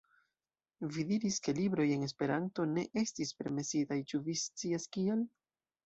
Vi diris, ke libroj en Esperanto ne estis permesitaj, ĉu vi scias, kial?